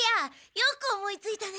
よく思いついたね。